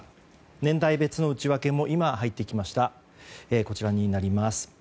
年代別の内訳も入ってきました。